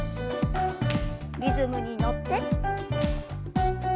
リズムに乗って。